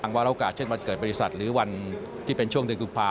วาระโอกาสเช่นวันเกิดบริษัทหรือวันที่เป็นช่วงเดือนกุมภาคม